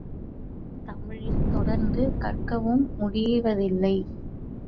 அவர்கள் தமிழில் தொடர்ந்து கற்கவும் முடிவதில்லை.